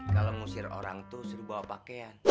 kalau ngusir orang itu suruh bawa pakaian